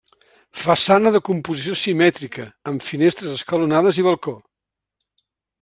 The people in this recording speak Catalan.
Façana de composició simètrica, amb finestres escalonades i balcó.